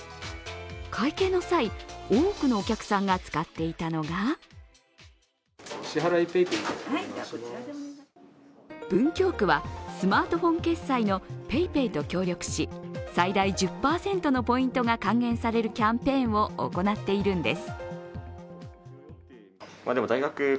会計の際、多くのお客さんが使っていたのが文京区はスマートフォン決済のＰａｙＰａｙと協力し、最大１０％のポイントが還元されるキャンペーンを行っているんです。